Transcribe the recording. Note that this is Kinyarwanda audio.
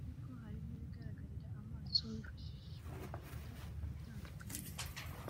ariko hari n’ibigaragarira amaso wifashishije amafoto atandukanye